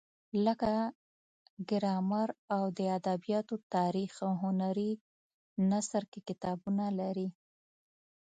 لکه ګرامر او د ادبیاتو تاریخ هنري نثر کې کتابونه لري.